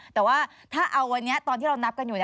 แต่ว่าถ้าเอาวันนี้ตอนที่เรานับกันอยู่